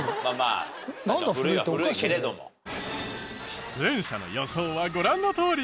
出演者の予想はご覧のとおり。